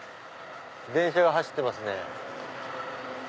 電車が走ってますね。